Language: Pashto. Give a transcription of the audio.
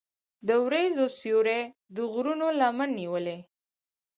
د وریځو سیوری د غرونو لمن نیولې.